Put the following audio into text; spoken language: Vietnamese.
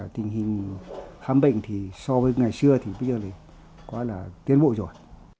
tình hình khám bệnh thì so với ngày xưa thì bây giờ thì quá là tiến bộ rồi